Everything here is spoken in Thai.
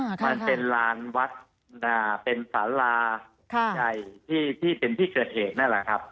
อ่าค่ะค่ะมันเป็นร้านวัดอ่าเป็นศาลาค่ะใจที่ที่เป็นที่เกิดเหตุนั่นแหละครับ